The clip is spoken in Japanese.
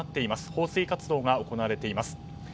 放水活動が行われています。